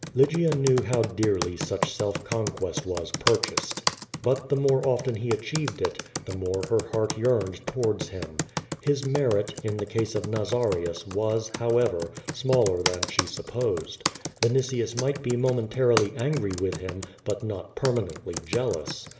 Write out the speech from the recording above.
Lygia knew how dearly such self conquest was purchased. But the more often lie achieved it, the more her heart yearned towards him. His merit, in the case of Nazarius was, however, smaller than she sup])osed. Vinitius might be momentarily angry with him, but not permanently jealous.